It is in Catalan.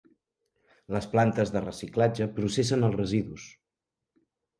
Les plantes de reciclatge processen els residus.